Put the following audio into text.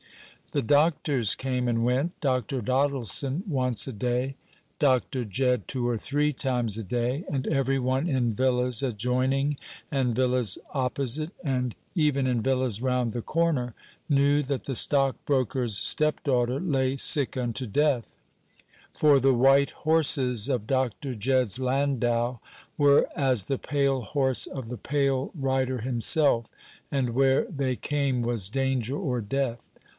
The doctors came and went Dr. Doddleson once a day, Dr. Jedd two or three times a day and every one in villas adjoining and villas opposite, and even in villas round the corner, knew that the stockbroker's stepdaughter lay sick unto death; for the white horses of Dr. Jedd's landau were as the pale horse of the Pale Rider himself, and where they came was danger or death.